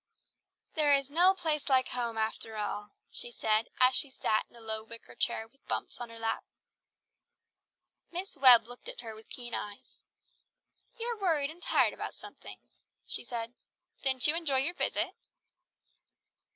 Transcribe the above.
"There is no place like home after all," she said as she sat in a low wicker chair with Bumps on her lap. Miss Webb looked at her with keen eyes. "You are tired and worried about something," she said. "Didn't you enjoy your visit?"